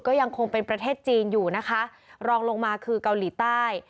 ก็ยังคงเป็นประเทศจีนอยู่นะคะรองลงมาคือเกาหลีใต้